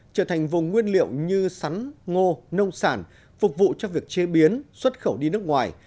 trở thành vùng nguyên liệu như sắn ngô nông sản phục vụ cho việc chế biến xuất khẩu đi nước ngoài